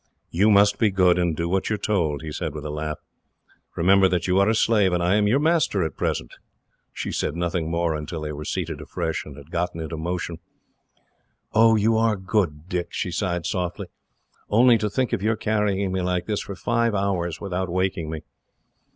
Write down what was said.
"You must be good, and do what you are told," he said, with a laugh. "Remember that you are a slave, and I am your master, at present." She said nothing more until they were seated afresh, and had got into motion. "Oh, you are good, Dick!" she sighed softly. "Only to think of your carrying me like this, for five hours, without waking me!"